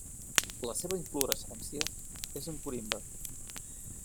La seva inflorescència és en corimbe.